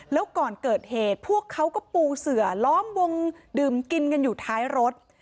แล้วก่อนเกิดเหตุพวกเขาก็ปูเสือล้อมวงดื่มกินกันอยู่ท้ายรถ